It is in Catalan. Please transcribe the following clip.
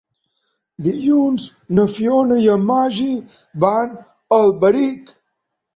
Dilluns na Fiona i en Magí van a Alberic.